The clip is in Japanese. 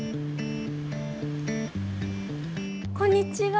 こんにちは。